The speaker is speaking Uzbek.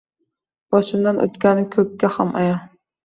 Boshimdan o’tgani ko’kka ham ayon